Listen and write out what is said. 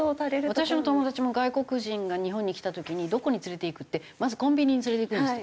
私の友達も外国人が日本に来た時にどこに連れていくってまずコンビニに連れていくんですって。